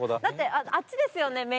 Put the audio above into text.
だってあっちですよね